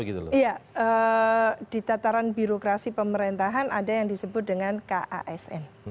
iya di tataran birokrasi pemerintahan ada yang disebut dengan kasn